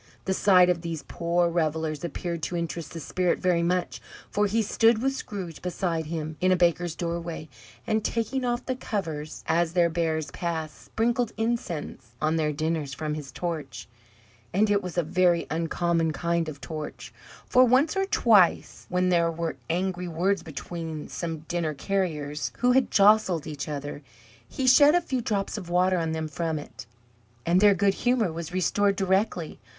The sight of these poor revellers appeared to interest the Spirit very much, for he stood, with Scrooge beside him, in a baker's doorway, and, taking off the covers as their bearers passed, sprinkled incense on their dinners from his torch. And it was a very uncommon kind of torch, for once or twice when there were angry words between some dinner carriers who had jostled each other, he shed a few drops of water on them from it, and their good humour was restored directly.